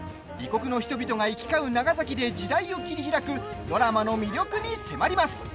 異国の人々が行き交う長崎で時代を切り開くドラマの魅力に迫ります。